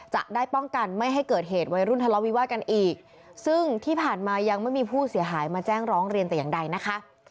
จะได้ป้องกันไม่ให้เกิดเหตุวัยรุ่นทะเลาวิวาสกันอีกซึ่งที่ผ่านมายังไม่มีผู้เสียหายมาแจ้งร้องเรียนแต่อย่างใดนะคะ